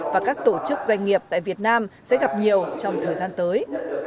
và các tổ chức doanh nghiệp tại việt nam sẽ gặp nhiều trong thời gian tới